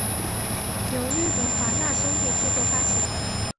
由日本华纳兄弟制作发行。